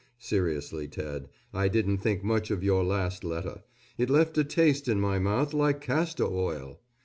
Seriously, Ted, I didn't care much for your last letter, it left a taste in my mouth like castor oil.